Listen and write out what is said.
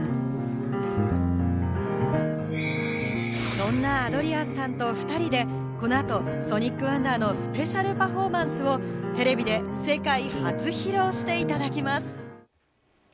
そんなアドリアンさんとおふたりでこの後、ＳｏｎｉｃＷｏｎｄｅｒのスペシャルパフォーマンスをテレビで世界初披露していただきます。